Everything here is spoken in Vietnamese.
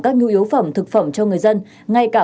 các nhu yếu phẩm thực phẩm cho người dân ngay cả